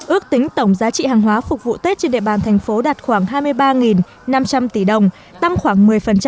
ước tính tổng giá trị hàng hóa phục vụ tết trên địa bàn thành phố đạt khoảng hai mươi ba năm trăm linh tỷ đồng tăng khoảng một mươi